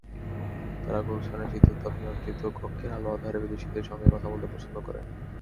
তাঁরা গুলশানের শীতাতপনিয়ন্ত্রিত কক্ষের আলো-আঁধারে বিদেশিদের সঙ্গে কথা বলতে পছন্দ করেন।